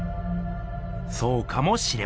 そうかもしれません。